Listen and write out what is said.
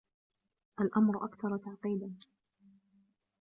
الأمر أكثر تعقيدا.